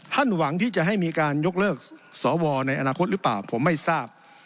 หวังที่จะให้มีการยกเลิกสวในอนาคตหรือเปล่าผมไม่ทราบ